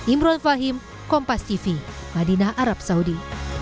imron fahim kompas tv madinah arab saudi